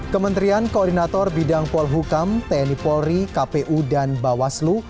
kementerian koordinator bidang polhukam tni polri kpu dan bawaslu